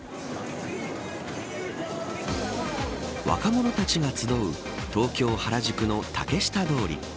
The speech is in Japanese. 若者たちが集う東京、原宿の竹下通り。